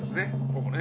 ここもね。